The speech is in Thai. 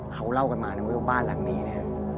เขาเล่ากันมานะว่าบ้านหลังนี้เนี่ย